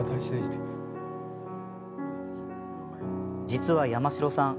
実は、山城さん